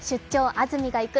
安住がいく」